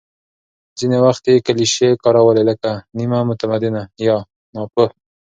ځینې وخت یې کلیشې کارولې، لکه «نیمه متمدنه» یا «ناپوه».